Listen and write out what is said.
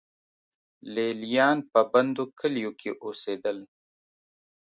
لې لیان په بندو کلیو کې اوسېدل.